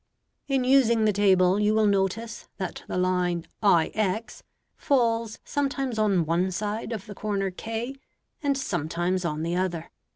In using the table you will notice that the line IX falls sometimes on one side of the corner K, and sometimes on the other.